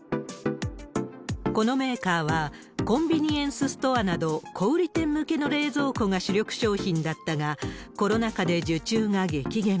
このメーカーは、コンビニエンスストアなど小売り店向けの冷蔵庫が主力商品だったが、コロナ禍で受注が激減。